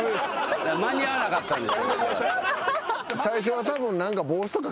間に合わなかったんでしょ。